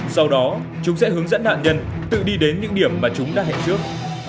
sau đó chúng sẽ hướng dẫn nạn nhân tự đi đến những điểm mà chúng đã hẹn trước